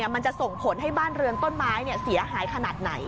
มันจะส่งผลให้บ้านเรือนต้นไม้เสียหายขนาดไหน